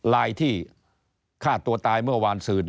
ไลน์ที่ฆ่าตัวตายเมื่อวานศืน